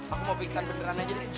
aku mau pikirkan beneran aja deh